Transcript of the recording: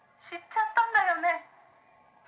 「知っちゃったんだよね？」